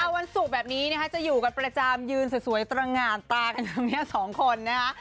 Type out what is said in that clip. วันศุกร์แบบนี้นะคะจะอยู่กันประจำยืนสวยตรงงานตากันตรงนี้สองคนนะคะ